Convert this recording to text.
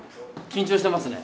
緊張してますね。